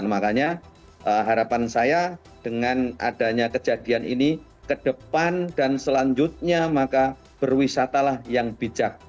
makanya harapan saya dengan adanya kejadian ini ke depan dan selanjutnya maka berwisatalah yang bijak